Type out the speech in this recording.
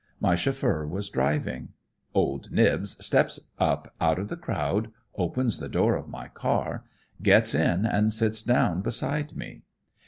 My chauffeur was driving. Old Nibbs steps up out of the crowd, opens the door of my car, gets in and sits down beside me.